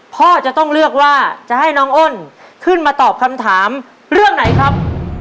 พ่อจะต้องเลือกว่าจะให้น้องอ้นขึ้นมาตอบคำถามเรื่องไหนครับ